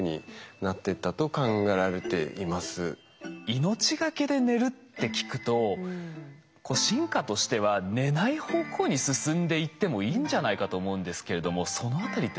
命がけで寝るって聞くと進化としては寝ない方向に進んでいってもいいんじゃないかと思うんですけれどもそのあたりってどうなんですか？